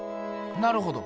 なるほど。